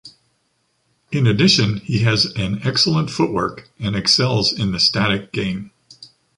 In addition, he has an excellent footwork, and excels in the static game.